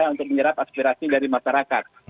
untuk menyerap aspirasi dari masyarakat